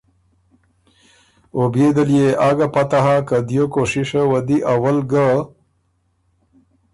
او بيې دل يې آ ګه پته هۀ که دیو کوشِشه وه دی اول ګۀ